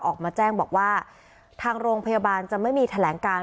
ออกมาแจ้งบอกว่าทางโรงพยาบาลจะไม่มีแถลงการ